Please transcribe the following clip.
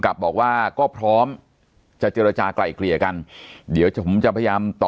กลับบอกว่าก็พร้อมจะเจรจากลายเกลี่ยกันเดี๋ยวผมจะพยายามต่อ